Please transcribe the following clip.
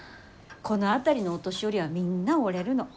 この辺りのお年寄りはみんな織れるの。